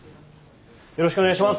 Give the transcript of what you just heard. よろしくお願いします。